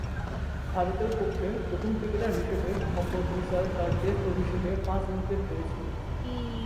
ভারতের পক্ষে প্রথম ক্রিকেটার হিসেবে মোহাম্মদ নিসার তার টেস্ট অভিষেকে পাঁচ-উইকেট পেয়েছিলেন।